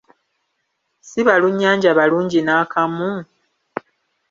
Si balunnyanja balungi n’akamu?